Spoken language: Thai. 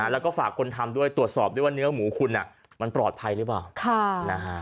แล้วก็ฝากคนทำด้วยตรวจสอบด้วยว่าเนื้อหมูคุณมันปลอดภัยหรือเปล่า